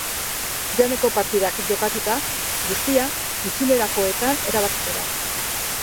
Joaneko partidak jokatuta guztia itzulerakoetan erabakiko da.